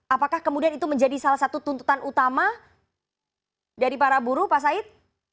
apakah kemudian itu menjadi salah satu tuntutan utama dari para buruh pak said